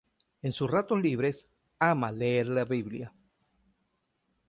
En sus ratos libres ama leer la biblia.